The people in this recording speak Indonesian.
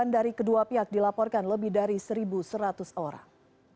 dari kedua pihak dilaporkan lebih dari satu seratus orang